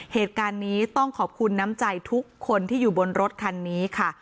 เหตุการณ์นี้ต้องขอบคุณน้ำใจทุกคนที่อยู่บนรถคันนี้ค่ะ